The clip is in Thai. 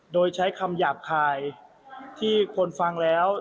โดยใช้คำหยาบคายที่คนฟังแล้ว